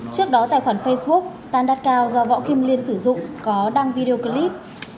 trước đó tài khoản facebook tan đạt cao do võ kim liên sử dụng có đăng video clip